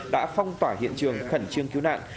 đã phong tỏa hiện trường khẩn trương cứu nạn